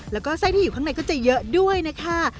แล้วก็ไส้ที่อยู่ข้างในก็จะเยอะด้วยนะคะ